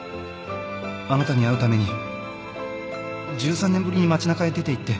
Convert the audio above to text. あなたに会うために１３年ぶりに街中へ出ていって